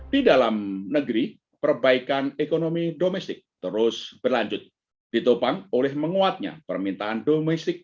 di dalam negeri perbaikan ekonomi domestik terus berlanjut ditopang oleh menguatnya permintaan domestik